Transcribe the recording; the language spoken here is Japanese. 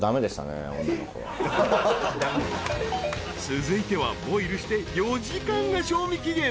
［続いてはボイルして４時間が賞味期限］